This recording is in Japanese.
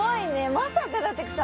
まさかだってさ